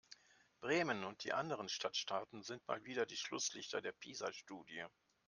Bremen und die anderen Stadtstaaten sind mal wieder die Schlusslichter der PISA-Studie.